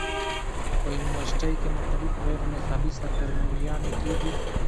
پۀ يونيورسټۍ کښې مختلف غېر نصابي سرګرميانې کيږي